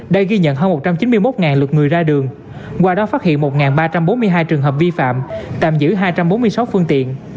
đã ghi nhận hơn một trăm chín mươi một lượt người ra đường qua đó phát hiện một ba trăm bốn mươi hai trường hợp vi phạm tạm giữ hai trăm bốn mươi sáu phương tiện